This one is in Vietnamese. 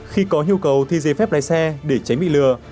khi có nhu cầu thi giấy phép lái xe để tránh bị lừa